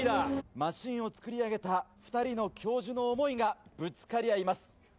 マシンを作り上げた２人の教授の思いがぶつかり合います。